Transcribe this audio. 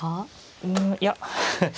うんいや。